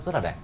rất là đẹp